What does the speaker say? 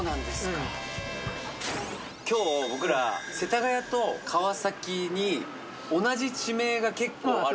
今日僕ら世田谷と川崎に同じ地名が結構ある。